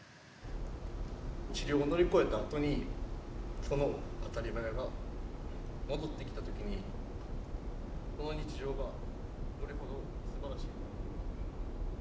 治療を乗り越えたあとにその当たり前が戻ってきた時にこの日常がどれほどすばらしい。